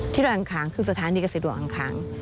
ที่ดอยอ่างคางคือสถานีเกษตรดวงอ่างคาง